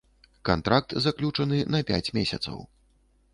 Кантракт заключаны на пяць месяцаў.